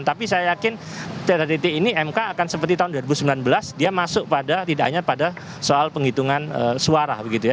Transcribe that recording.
tapi saya yakin pada titik ini mk akan seperti tahun dua ribu sembilan belas dia masuk pada tidak hanya pada soal penghitungan suara begitu ya